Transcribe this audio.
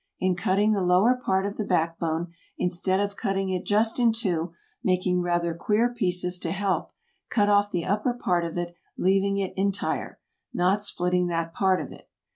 In cutting the lower part of the back bone, instead of cutting it just in two, making rather queer pieces to help, cut off the upper part of it leaving it entire, not splitting that part of it.